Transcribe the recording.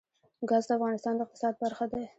ګاز د افغانستان د اقتصاد برخه ده.